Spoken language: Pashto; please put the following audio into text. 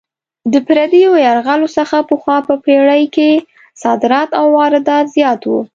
د پردیو یرغلونو څخه پخوا په پېړۍ کې صادرات او واردات زیات وو.